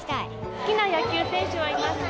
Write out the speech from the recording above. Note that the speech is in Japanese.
好きな野球選手はいますか？